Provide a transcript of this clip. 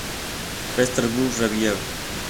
Petersburg Review".